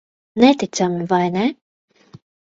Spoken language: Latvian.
Neticami, vai ne?